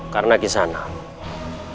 karena kisah nabi